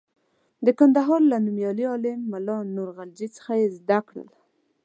د کندهار له نومیالي عالم ملا نور غلجي څخه یې زده کړل.